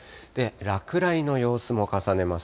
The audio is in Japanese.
落雷の様子も重ねます。